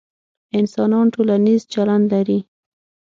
انسانان ټولنیز چلند لري،